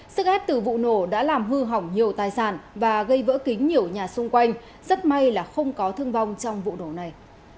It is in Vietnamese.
sức ép từ vụ nổ đã làm hư hỏng nhiều tài sản và gây vỡ kính nhiều nhà xung quanh rất may là không có thương vong trong vụ nổ này